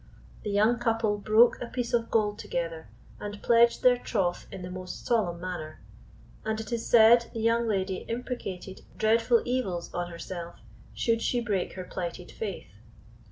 The young couple broke a piece of gold together, and pledged their troth in the most solemn manner; and it is said the young lady imprecated dreadful evils on herself should she break her plighted faith.